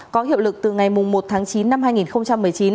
có hiệu lực từ ngày một tháng chín năm hai nghìn một mươi chín